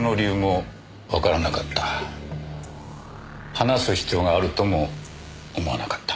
話す必要があるとも思わなかった。